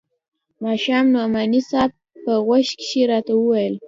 ماښام نعماني صاحب په غوږ کښې راته وويل.